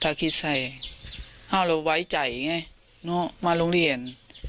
อิกน้อยแก่ใจมาลงเรียน